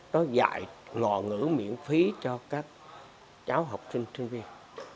nó dạy ngò ngữ miễn phí cho các cháu học sinh sinh viên